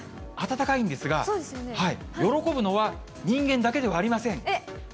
暖かいんですが、喜ぶのは人間だけではありません。